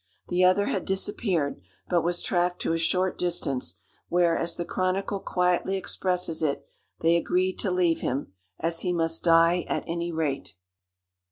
The other had disappeared, but was tracked to a short distance, where, as the chronicle quietly expresses it, "they agreed to leave him, as he must die at any rate."